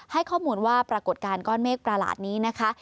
ให้ข้อมูลว่าปรากฏการณ์ก้อนเมฆประหลาดนี้นะคะ